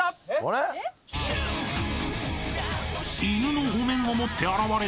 ［犬のお面を持って現れたこの男は？］